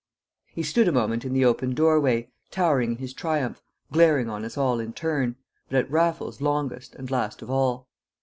He stood a moment in the open doorway, towering in his triumph, glaring on us all in turn, but at Raffles longest and last of all.